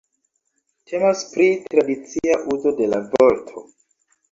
Temas pri tradicia uzo de la vorto.